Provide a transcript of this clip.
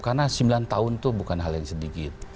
karena sembilan tahun itu bukan hal yang sedikit